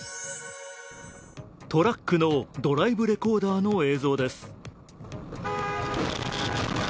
トラックのドライブレコーダーの映像です。